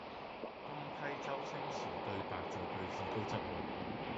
今批周星馳對白做句子高質喎